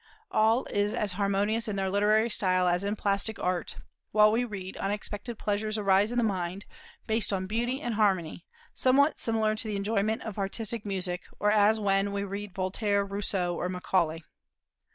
All is as harmonious in their literary style as in plastic art; while we read, unexpected pleasures arise in the mind, based on beauty and harmony, somewhat similar to the enjoyment of artistic music, or as when we read Voltaire, Rousseau, or Macaulay.